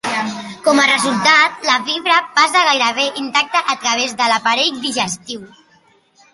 Com a resultat, la fibra passa gairebé intacta a través de l'aparell digestiu.